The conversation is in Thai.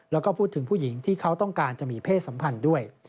แล้วก็พูดถึงผู้หญิงที่เขาต้องการจะมีเพศสัมพันธ์ด้วย